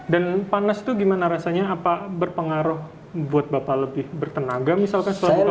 dan panas tuh gimana rasanya apa berpengaruh buat bapak lebih bertenaga misalkan selama buka puasa